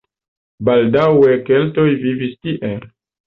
Baldaŭe keltoj vivis tie.